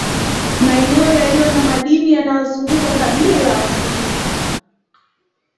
Maeneo yaliyo na madini yanawazunguka kabila la Wasukuma